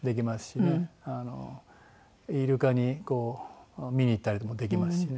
イルカに見に行ったりとかもできますしね